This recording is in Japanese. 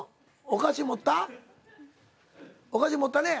お菓子持ったね。